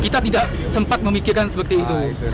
kita tidak sempat memikirkan seperti itu